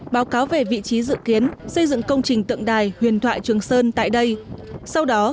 báo cáo về vị trí dự kiến xây dựng công trình tượng đài huyền thoại trường sơn tại đây sau đó